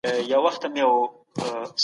د اسلامي عدالت د ځای نشتوالی څرګند و.